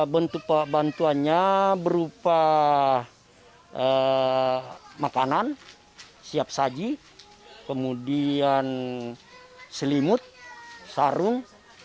bentuk bantuannya berupa makanan siap saji kemudian selimut sarung